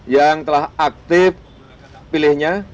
yang telah aktif pilihnya